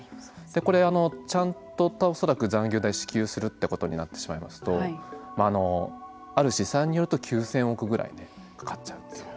これ、ちゃんと恐らく残業代を支給するということになりますとある試算によると９０００億ぐらいかかっちゃう。